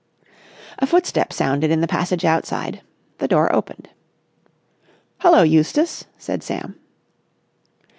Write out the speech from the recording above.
A footstep sounded in the passage outside. The door opened. "Hullo, Eustace!" said Sam.